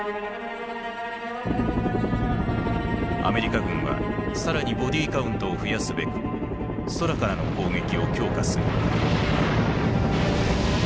アメリカ軍は更にボディカウントを増やすべく空からの攻撃を強化する。